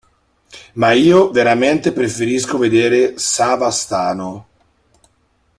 Ma io veramente preferisco vedere Savastano.